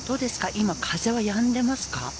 今、風はやんでいますか？